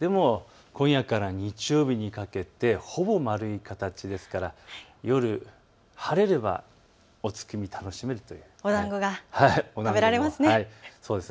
でも今夜から日曜日にかけてほぼ丸い形ですから、夜晴れればお月見を楽しめるということです。